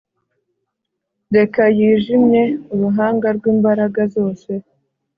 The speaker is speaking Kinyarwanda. reka yijimye uruhanga rwimbaraga zose